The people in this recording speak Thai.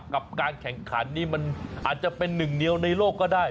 กับการแข่งขันนี่มันอาจจะเป็นหนึ่งเดียวในโลกก็ได้